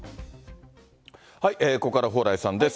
ここからは蓬莱さんです。